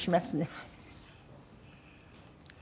はい。